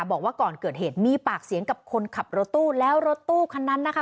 บอกว่าก่อนเกิดเหตุมีปากเสียงกับคนขับรถตู้แล้วรถตู้คันนั้นนะคะ